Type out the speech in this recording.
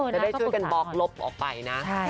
จะได้ช่วยกันบล็อกลบออกไปนะ